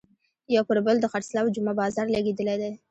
یو پر بل د خرڅلاو جمعه بازار لګېدلی دی.